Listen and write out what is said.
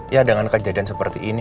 ya dengan kejadian seperti ini